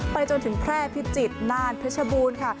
ไปจนถึงแพร่พิจิตรนานเพชรบูรณ์ค่ะ